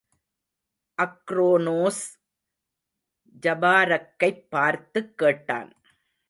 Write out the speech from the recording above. அக்ரோனோஸ், ஜபாரக்கைப் பார்த்துக் கேட்டான்.